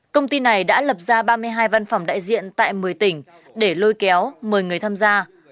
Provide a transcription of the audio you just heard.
công ty này đã lập ra ba mươi hai văn phòng đại diện tại một mươi tỉnh để lôi kéo mời người tham gia